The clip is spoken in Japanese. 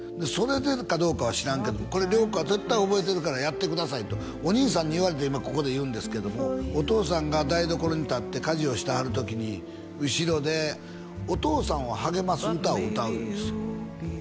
それでかどうかは知らんけどこれ涼子は絶対覚えてるからやってくださいとお兄さんに言われて今ここで言うんですけどもお父さんが台所に立って家事をしてはる時に後ろでお父さんを励ます歌を歌ういうんです